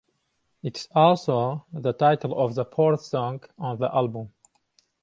It is also the title of the fourth song on the album.